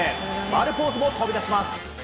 丸ポーズも飛び出します。